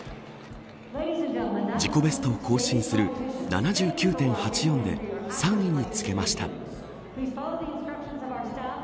自己ベストを更新する７９．８４で３位につけました。